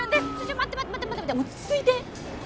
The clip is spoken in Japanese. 待って待って待って待って落ち着いて。